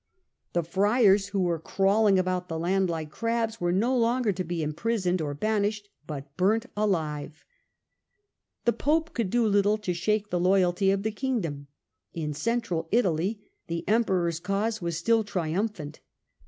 The friars, 271 who were " crawling about the land like crabs," were no longer to be imprisoned or banished, but burnt alive. The Pope could do little to shake the loyalty of the Kingdom. In Central Italy the Emperor's cause was still triumphant.